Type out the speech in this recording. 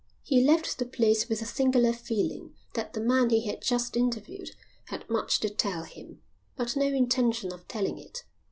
He left the place with a singular feeling that the man he had just interviewed had much to tell him, but no intention of telling it.